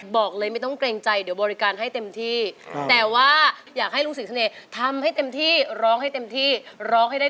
บอกเลยไม่ต้องเกรงใจเดี๋ยวบริการให้เต็มที่